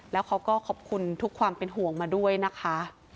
แล้วเขาก็ขอบคุณทุกความเป็นห่วงมาด้วยนะคะ